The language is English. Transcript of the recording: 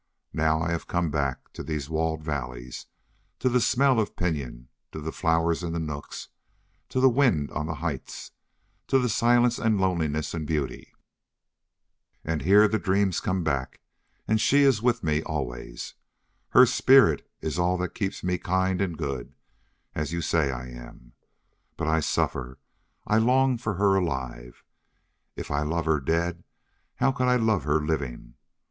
Now I have come back to these walled valleys to the smell of pinyon, to the flowers in the nooks, to the wind on the heights, to the silence and loneliness and beauty. And here the dreams come back and SHE is WITH me always. Her spirit is all that keeps me kind and good, as you say I am. But I suffer, I long for her alive. If I love her dead, how could I love her living!